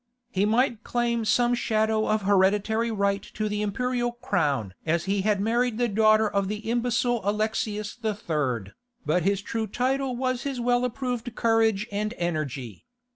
(30) He might claim some shadow of hereditary right to the imperial crown as he had married the daughter of the imbecile Alexius III., but his true title was his well approved courage and energy.